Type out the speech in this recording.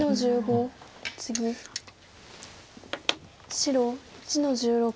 白１の十六。